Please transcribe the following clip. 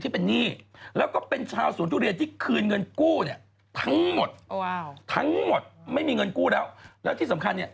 เหมือนอยู่ทุเรียนตะอีหัวอะไรแหละ